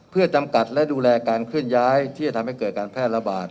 เพื่อจำกัดและดูแลการเคลื่อนย้ายที่จะทำให้เกิดการแพร่ระบาด